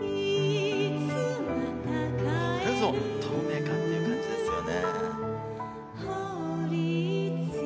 これぞ透明感って感じですよね。